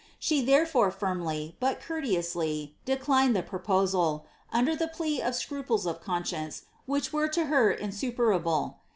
She therefore finnly, bat courteously, declined the pro posal, under the plea of scruples of conscience, which were to her in superable.